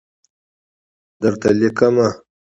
درته لیکمه